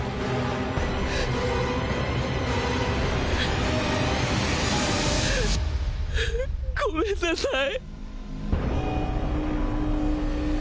っごめんなさい。